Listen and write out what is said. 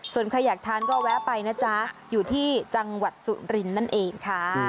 ส่วนใครอยากทานก็แวะไปนะจ๊ะอยู่ที่จังหวัดสุรินทร์นั่นเองค่ะ